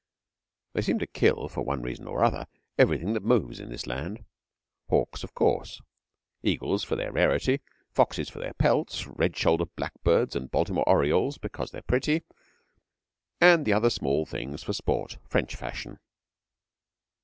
They seem to kill, for one reason or other, everything that moves in this land. Hawks, of course; eagles for their rarity; foxes for their pelts; red shouldered blackbirds and Baltimore orioles because they are pretty, and the other small things for sport French fashion.